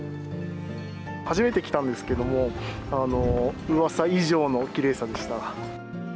初めて来たんですけれども、うわさ以上のきれいさでした。